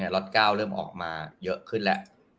ล็อต๙เริ่มออกมาเยอะขึ้นแล้ว